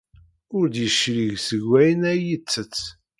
Ur d-yeclig seg wayen ay ittett.